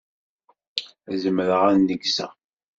Zemreɣ ad neggzeɣ.